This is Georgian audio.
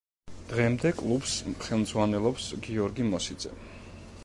დღემდე კლუბს ხელმძღვანელობს გიორგი მოსიძე.